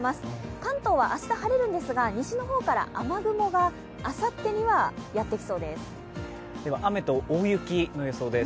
関東は明日、晴れるんですが、西の方から雨雲があさってにはやってきそうです。